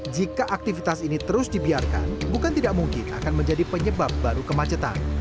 jika aktivitas ini terus dibiarkan bukan tidak mungkin akan menjadi penyebab baru kemacetan